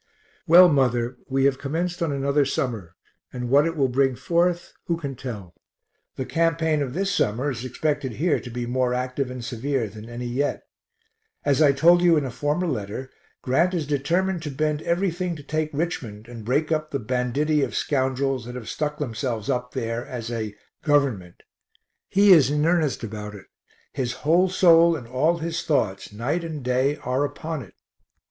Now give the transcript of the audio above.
Well, mother, we have commenced on another summer, and what it will bring forth who can tell? The campaign of this summer is expected here to be more active and severe than any yet. As I told you in a former letter, Grant is determined to bend everything to take Richmond and break up the banditti of scoundrels that have stuck themselves up there as a "government." He is in earnest about it; his whole soul and all his thoughts night and day are upon it.